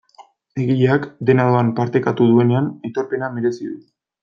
Egileak dena doan partekatu duenean aitorpena merezi du.